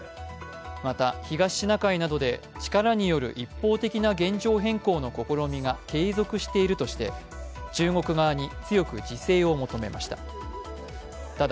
また、東シナ海などで力による一方的な現状変更の試みが継続しているとして中国側に強く自制を求めました。